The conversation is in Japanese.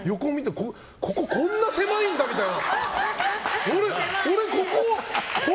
俺、こここんな狭いんだ！みたいな。